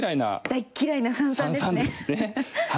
大嫌いな三々ですね。